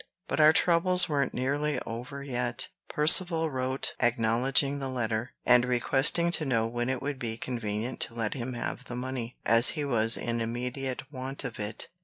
But our troubles weren't nearly over yet. Percivale wrote, acknowledging the letter, and requesting to know when it would be convenient to let him have the money, as he was in immediate want of it.